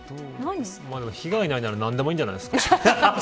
でも被害がないなら何でもいいんじゃないですか。